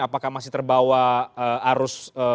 apakah masih terbawa arus